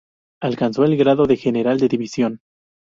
Alcanzó el grado de General de División.